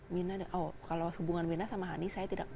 mirna oh kalau hubungan mirna sama hani saya tidak